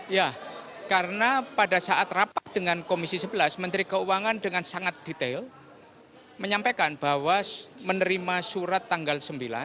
ya karena pada saat rapat dengan komisi sebelas menteri keuangan dengan sangat detail menyampaikan bahwa menerima surat tanggal sembilan